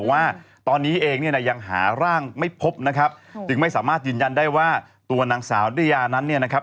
ว่าตอนนี้เองเนี่ยนะยังหาร่างไม่พบนะครับจึงไม่สามารถยืนยันได้ว่าตัวนางสาวนิยานั้นเนี่ยนะครับ